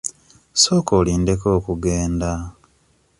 Sooka olindeko okugenda.